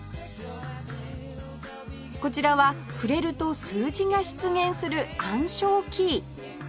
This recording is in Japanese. こちらは触れると数字が出現する暗証キー